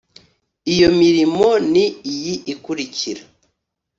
iyo mirimo ni iyi ikurikira